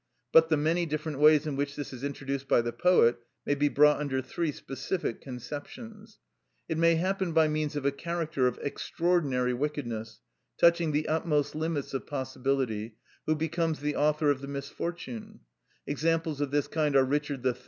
But the many different ways in which this is introduced by the poet may be brought under three specific conceptions. It may happen by means of a character of extraordinary wickedness, touching the utmost limits of possibility, who becomes the author of the misfortune; examples of this kind are Richard III.